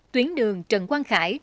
tuyến đường trần quang khải